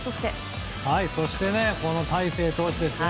そして、大勢投手ですね。